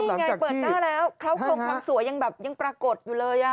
นี่ไงเปิดหน้าแล้วเขาโครงความสวยยังแบบยังปรากฏอยู่เลย